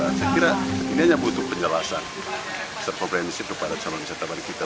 saya kira ini hanya butuh penjelasan serta problemisir kepada peserta pariwisata kita